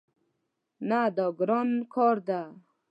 نه، دا ګران کار ده